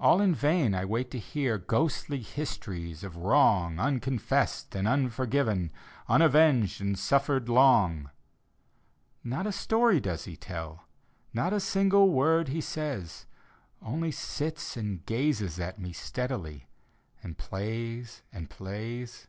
All in vain I wait to hear Ghostly histories of wrong Unconfessed and unforgiiven. Unavenged and suffered long; Not a story does he tell, Not a single word he says — Only sits and gazes at me Steadily, and plays and plays.